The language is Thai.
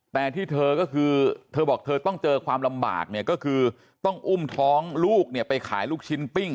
แต่ที่เธอก็คือเธอบอกเธอต้องเจอความลำบากเนี่ยก็คือต้องอุ้มท้องลูกเนี่ยไปขายลูกชิ้นปิ้ง